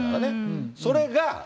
それが。